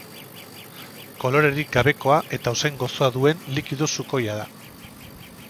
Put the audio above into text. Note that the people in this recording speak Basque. Kolorerik gabekoa eta usain gozoa duen likido sukoia da.